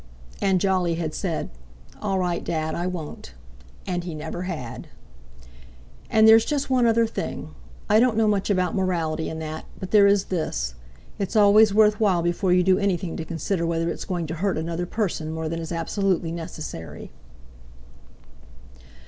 And Jolly had said: "All right, Dad, I won't," and he never had. "And there's just one other thing. I don't know much about morality and that, but there is this: It's always worth while before you do anything to consider whether it's going to hurt another person more than is absolutely necessary."